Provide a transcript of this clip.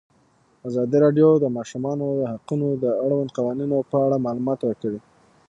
ازادي راډیو د د ماشومانو حقونه د اړونده قوانینو په اړه معلومات ورکړي.